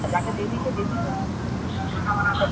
دا زموږ کور دی، دا مخامخ جومات دی